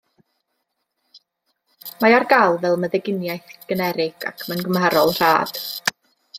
Mae ar gael fel meddyginiaeth generig ac mae'n gymharol rad.